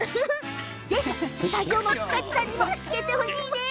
ぜひスタジオの塚地さんにもつけてほしいです。